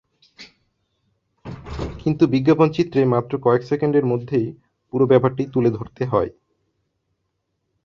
কিন্তু বিজ্ঞাপনচিত্রে মাত্র কয়েক সেকেন্ডের মধ্যেই পুরো ব্যাপারটি তুলে ধরতে হয়।